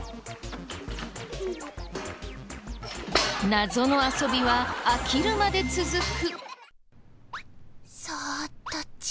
謎の遊びは飽きるまで続く。